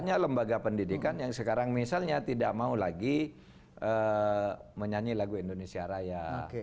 banyak lembaga pendidikan yang sekarang misalnya tidak mau lagi menyanyi lagu indonesia raya